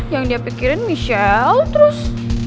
yang dia pikirin michelle terus